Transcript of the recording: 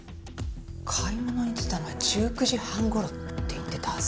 買い物に出たのは１９時半頃って言ってたはず。